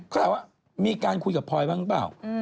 เขาถามว่ามีการคุยกับพลอยบ้างหรือเปล่า